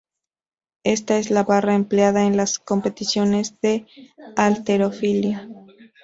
Esta es la barra empleada en las competiciones de halterofilia.